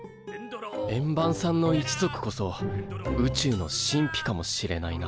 円盤さんの一族こそ宇宙の神秘かもしれないな。